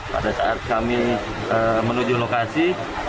pada saat kami menuju lokasi